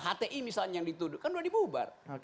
hti misalnya yang dituduh kan sudah dibubar